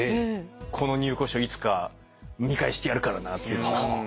この入構証いつか見返してやるからなって。